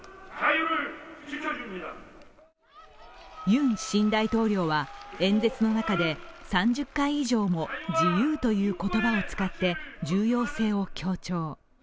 ユン新大統領は演説の中で３０回以上も「自由」という言葉を使って重要性を強調。